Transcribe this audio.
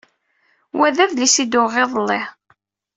Wa d adlis i d-uɣeɣ iḍelli.